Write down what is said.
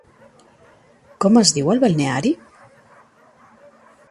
Com es diu el Balneari?